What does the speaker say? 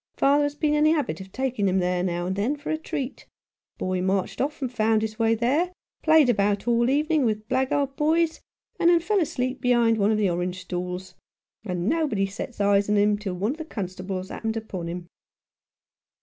Father has been in the habit of taking him there, now and then, for a treat ; boy marched off and found his way there, played about all evening with blackguard boys, and then fell asleep behind one of the orange stalls ; and nobody set eyes 37 Rough Justice, on him till one of the constables happened upon him."